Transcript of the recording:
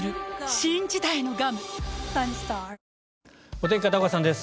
お天気、片岡さんです。